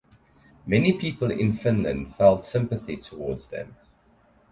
Many people in Finland felt sympathy towards them.